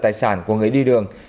tài sản của người đi đường